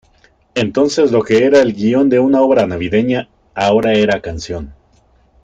Entonces lo que era el guion de una obra Navideña, ahora era canción.